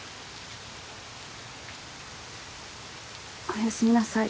おやすみなさい。